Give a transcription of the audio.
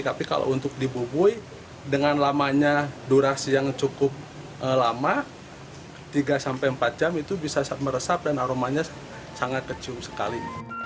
tapi kalau untuk dibubui dengan lamanya durasi yang cukup lama tiga sampai empat jam itu bisa meresap dan aromanya sangat kecium sekali